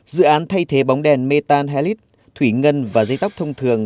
dự án thay thế bóng đèn methane helix thủy ngân và dây tóc thông thường